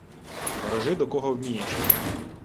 — Ворожи, до кого вмієш.